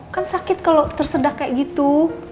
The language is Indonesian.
kan sakit kalau tersedak kayak gitu